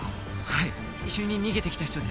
はい一緒に逃げてきた人です。